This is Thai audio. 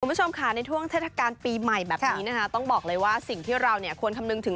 คุณผู้ชมค่ะในช่วงเทศกาลปีใหม่แบบนี้นะคะต้องบอกเลยว่าสิ่งที่เราเนี่ยควรคำนึงถึง